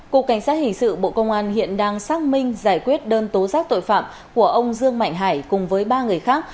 cục cảnh sát hình sự bộ công an hiện đang xác minh giải quyết đơn tố giác tội phạm của ông dương mạnh hải cùng với ba người khác